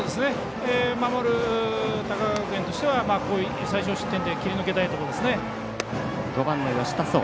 守る高川学園としてはこういう最少失点で切り抜けたいですね。